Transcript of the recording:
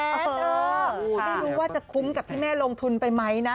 ไม่รู้ว่าจะคุ้มกับที่แม่ลงทุนไปไหมนะ